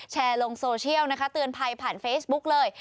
แชร์ลงโซเชียลนะคะเตือนภัยผ่านเฟซบุ๊กเลย